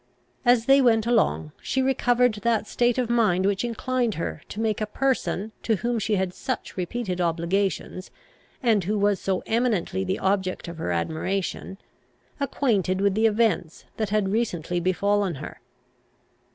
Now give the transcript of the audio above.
As they went along, she recovered that state of mind which inclined her to make a person to whom she had such repeated obligations, and who was so eminently the object of her admiration, acquainted with the events that had recently befallen her.